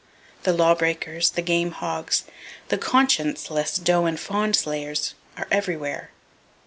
The law breakers, the game hogs, the conscienceless doe and fawn slayers are everywhere!